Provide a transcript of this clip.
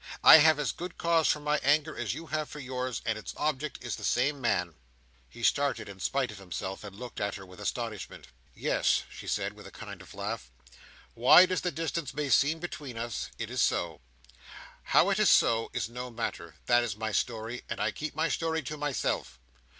I have as good cause for my anger as you have for yours, and its object is the same man." He started, in spite of himself, and looked at her with astonishment. "Yes," she said, with a kind of laugh. "Wide as the distance may seem between us, it is so. How it is so, is no matter; that is my story, and I keep my story to myself.